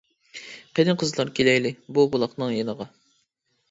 قېنى قىزلار كېلەيلى، بۇ بۇلاقنىڭ يېنىغا.